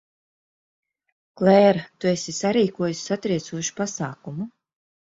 Klēra, tu esi sarīkojusi satriecošu pasākumu.